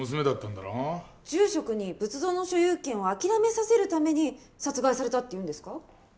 住職に仏像の所有権を諦めさせるために殺害されたっていうんですか？